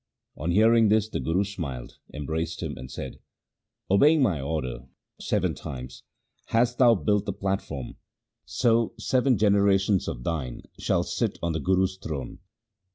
On hearing this the Guru smiled, embraced him, and said, ' Obeying my order, seven times hast thou built the platform, so seven generations of thine shall sit on the Guru's throne.'